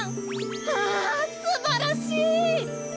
あすばらしい！